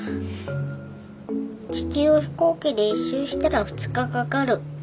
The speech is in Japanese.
地球を飛行機で１周したら２日かかる。